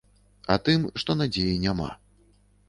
А тым, што надзеі няма.